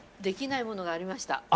できないものがありました。